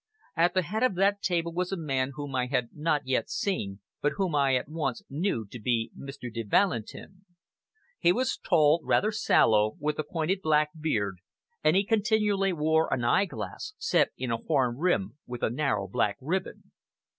At the head of that table was a man whom I had not yet seen, but whom I at once knew to be Mr. de Valentin. He was tall, rather sallow, with a pointed, black beard, and he continually wore an eyeglass, set in a horn rim, with a narrow, black ribbon.